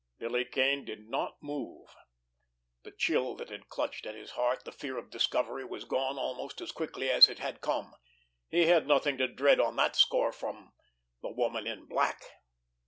Billy Kane did not move. The chill that had clutched at his heart, the fear of discovery, was gone almost as quickly as it had come. He had nothing to dread on that score from—the Woman in Black!